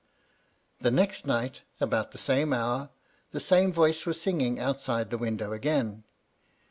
"The next night, about the same hour, the same voice was singmg outside the window again.